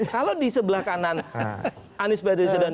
kalau di sebelah kanan anies baswedan